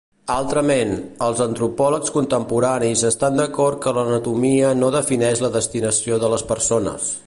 Altrament, els antropòlegs contemporanis estan d'acord que l'anatomia no defineix la destinació de les persones.